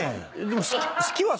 でも。